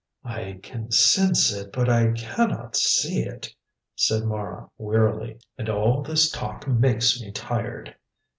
"I can sense it, but I cannot see it," said Mara, wearily; "and all this talk makes me tired."